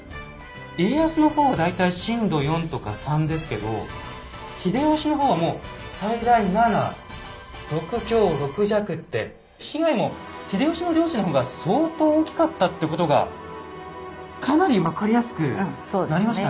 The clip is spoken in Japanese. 家康の方は大体震度４とか３ですけど秀吉の方はもう最大７６強６弱って被害もってことがかなり分かりやすくなりましたね。